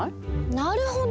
なるほど！